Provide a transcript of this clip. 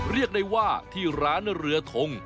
เรียกได้ว่าที่ร้านเรือทง